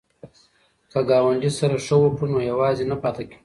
که ګاونډي سره ښه وکړو نو یوازې نه پاتې کیږو.